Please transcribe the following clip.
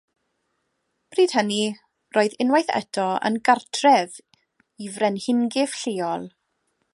Bryd hynny, roedd unwaith eto yn gartref i frenhingyff lleol.